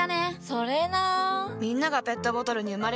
それな。